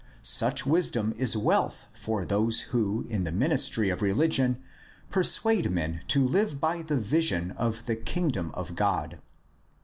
Such wisdom is wealth for those who in the ministry of rehgion persuade men to live by the vision of the Kingdom of God.